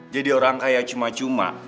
jadi orang kaya cuma cuma